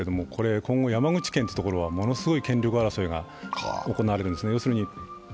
今後、山口県はものすごい権力争いが行われるんですね。